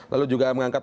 lalu juga mengangkat